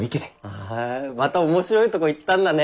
ああまた面白いとこ行ったんだね。